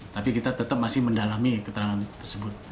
tapi kita tetap masih mendalami keterangan tersebut